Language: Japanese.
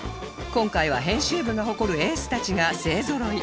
今回は編集部が誇るエースたちが勢ぞろい